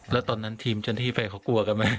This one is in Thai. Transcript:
แล้วตอนนั้นทีมจนที่ไปก็กลัวกันมั้ย